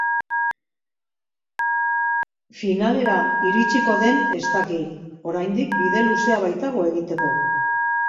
Finalera iristiko den ez dakit, oraindik bide luzea baitago egiteko.